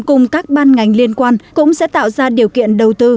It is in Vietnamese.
cùng các ban ngành liên quan cũng sẽ tạo ra điều kiện đầu tư